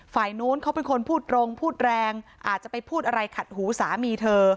ฝ่ายนู้นเขาเป็นคนพูดตรงพูดแรงอาจจะไปพูดอะไรขัดหูสามีเธอ